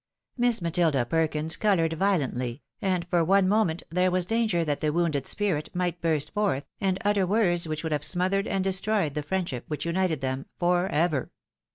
Miss Matilda Perkins coloured violently, and, for one moment, there was danger that the wounded spirit might burst forth, and utter words which would have smothered and de stroyed the friendship which united them — for ever